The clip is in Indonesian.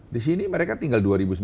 di sini mereka tinggal dua sembilan ratus